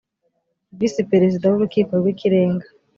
visi perezida w urukiko rw ikirenga